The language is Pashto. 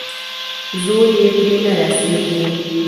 زور يې پرې نه رسېږي.